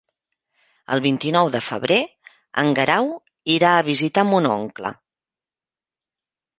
El vint-i-nou de febrer en Guerau irà a visitar mon oncle.